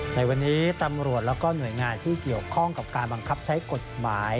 ในวันนี้ตำรวจแล้วก็หน่วยงานที่เกี่ยวข้องกับการบังคับใช้กฎหมาย